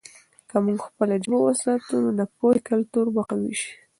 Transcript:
که موږ خپله ژبه وساتو، نو د پوهې کلتور به قوي سي.